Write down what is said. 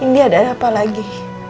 ini ada apa lagi